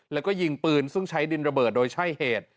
แล้วก็ยิงปืนซึ่งใช้ดินระเบิดโดยใช่เหตุ